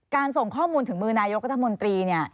การส่งข้อมูลถึงมือนายกเยาะกุธัฐมนตรี